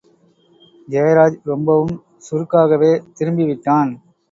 ஜெயராஜ் ரொம்பவும் சுருக்காகவே திரும்பிவிட்டான்.